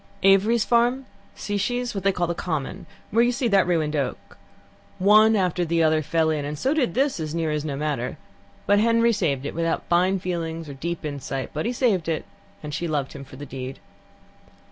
Avery's Farm, Sishe's what they call the Common, where you see that ruined oak one after the other fell in, and so did this, as near as is no matter. "But Henry had saved it; without fine feelings or deep insight, but he had saved it, and she loved him for the deed.